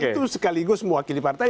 itu sekaligus mewakili partai